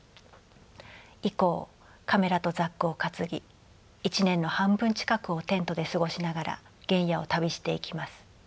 以降カメラとザックを担ぎ一年の半分近くをテントで過ごしながら原野を旅していきます。